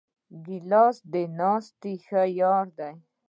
ګیلاس د ناستې ښه یار دی.